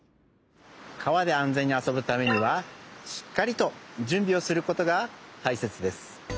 川で安全にあそぶためにはしっかりとじゅんびをすることがたいせつです。